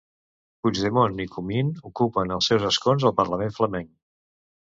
Puigdemont i Comín ocupen els seus escons al Parlament flamenc.